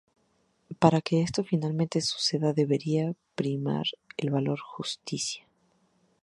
Para que esto finalmente suceda debería primar el valor justicia.